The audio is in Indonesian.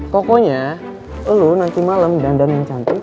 pokoknya lo nanti malam dandan yang cantik